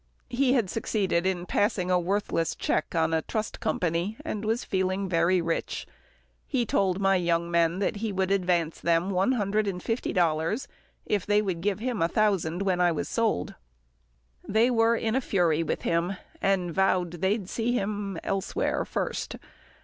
He had succeeded in passing a worthless cheque on a trust company and was feeling very rich. He told my young men that he would advance them one hundred and fifty dollars, if they would give him a thousand when I was sold. They were in a fury with him, and vowed they'd see him somewhere first.